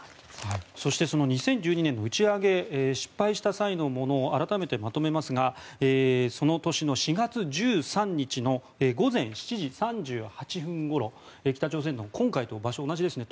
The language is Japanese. そして、２０１２年の打ち上げ失敗した際のものを改めてまとめますがその年の４月１３日の午前７時３８分ごろ北朝鮮の今回と場所が同じですね